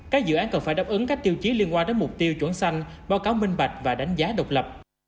các dự án cần phải đáp ứng các tiêu chí liên quan đến mục tiêu chuẩn xanh báo cáo minh bạch và đánh giá độc lập